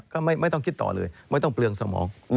ก็ไม่ต้องคิดต่อเลยไม่ต้องเปลืองสมอง